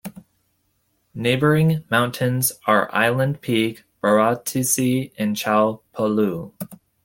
Neighbouring mountains are Island Peak, Baruntse and Cho Polu.